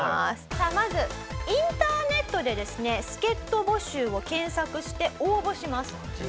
さあまずインターネットでですね助っ人募集を検索して応募します。